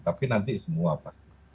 tapi nanti semua pasti